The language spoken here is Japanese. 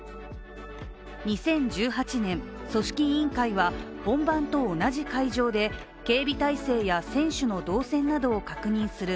２０１８年、組織委員会は本番と同じ会場で警備態勢や選手の動線などを確認する